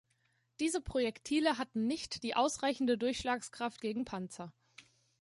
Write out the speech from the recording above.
Diese Projektile hatten nicht die ausreichende Durchschlagskraft gegen Panzer.